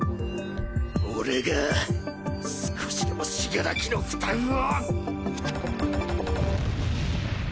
俺が少しでも死柄木の負担を！